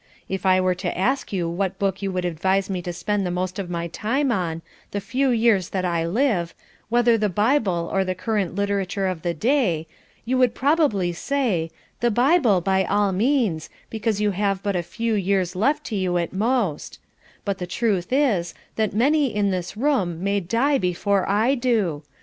If I were to ask you what book you would advise me to spend the most of my time on, the few years that I live, whether the Bible or the current literature of the day, you would probably say, 'The Bible by all means, because you have but a few years left to you at most,' but the truth is, that many in this room may die before I do.